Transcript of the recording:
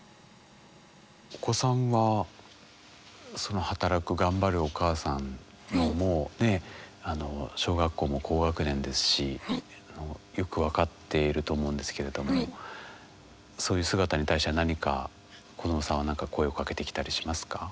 お子さんは働く頑張るお母さんのもうね小学校も高学年ですしよく分かっていると思うんですけれどもそういう姿に対しては何か子どもさんは何か声をかけてきたりしますか？